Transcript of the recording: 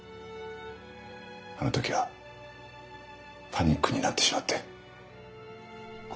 あの時はパニックになってしまって。